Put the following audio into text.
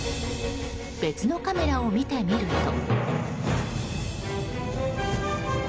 別のカメラを見てみると。